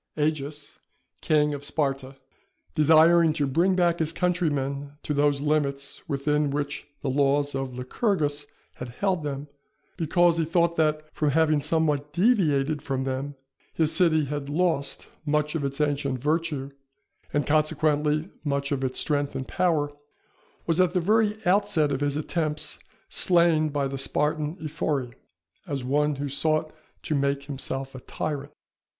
Agis, King of Sparta, desiring to bring back his countrymen to those limits within which the laws of Lycurgus had held them, because he thought that, from having somewhat deviated from them, his city had lost much of its ancient virtue and, consequently much of its strength and power, was, at the very outset of his attempts, slain by the Spartan Ephori, as one who sought to make himself a tyrant.